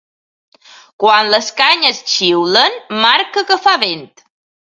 Quan les canyes xiulen marca que fa vent.